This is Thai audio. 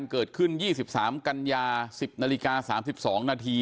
โอเคดีทำไมทำแบบนี้